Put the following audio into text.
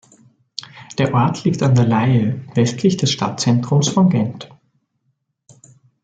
Der Ort liegt an der Leie, westlich des Stadtzentrums von Gent.